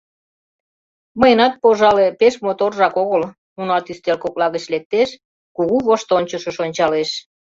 — Мыйынат пожале, пеш моторжак огыл, — унат ӱстел кокла гыч лектеш, кугу воштончышыш ончалеш.